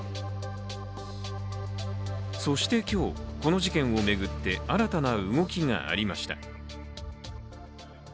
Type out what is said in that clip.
そして今日、この事件を巡って新たな動きがありました。